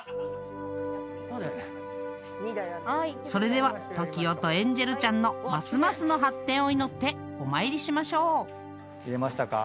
［それではＴＯＫＩＯとエンジェルちゃんのますますの発展を祈ってお参りしましょう］入れましたか。